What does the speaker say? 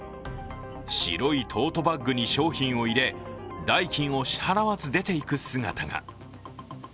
白いトートバッグに商品を入れ、代金を支払わず出ていく姿が。